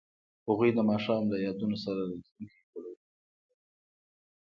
هغوی د ماښام له یادونو سره راتلونکی جوړولو هیله لرله.